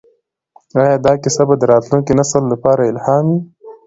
ایا دا کیسه به د راتلونکي نسل لپاره الهام وي؟